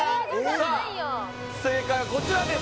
さあ正解はこちらです